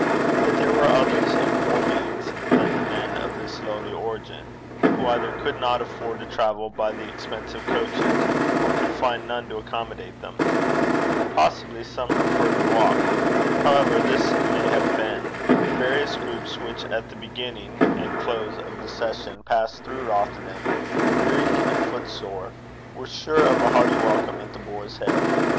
But there were others of more means than the men of this lowly origin, who either could not afford to travel by the expensive coaches, or could find none to accommodate them. Possibly some preferred to walk. However this may have been, the various groups which at the beginning and close of the session passed through Rothieden weary and footsore, were sure of a hearty welcome at The Boar's Head.